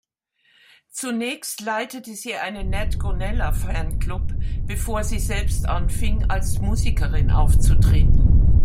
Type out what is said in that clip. Zunächst leitete sie einen Nat-Gonella-Fanclub, bevor sie selbst anfing, als Musikerin aufzutreten.